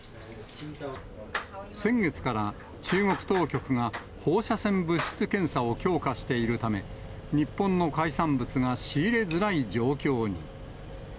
先月から、中国当局が放射性物質検査を強化しているため、日本の海産物が仕入れづらい状況に。